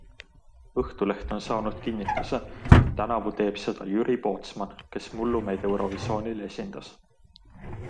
Õhtuleht on saanud kinnituse, et tänavu teeb seda Jüri Pootsmann, kes mullu meid Eurovisionil esindas.